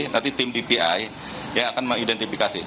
nanti tim dpi yang akan mengidentifikasi